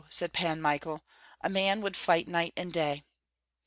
said Pan Michael. "A man would fight night and day."